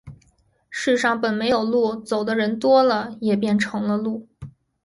世上本没有路，走的人多了，也便成了路。